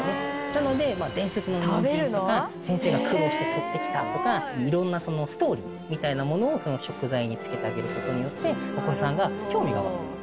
なので伝説のニンジンとか先生が苦労して取ってきたとか色んなストーリーみたいなものをその食材につけてあげる事によってお子さんが興味が湧くんですね。